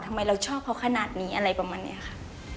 เราชอบเขาขนาดนี้อะไรประมาณนี้ค่ะ